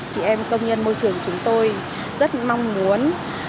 chị em công nhân môi trường chúng tôi rất mong muốn